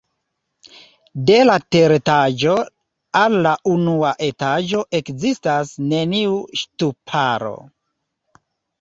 De la teretaĝo al la unua etaĝo ekzistas neniu ŝtuparo.